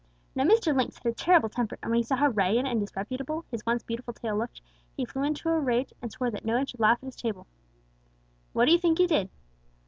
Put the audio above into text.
Now Mr. Lynx had a terrible temper, and when he saw how ragged and disreputable his once beautiful tail looked, he flew into a terrible rage, and he swore that no one should laugh at his tail. What do you think he did?"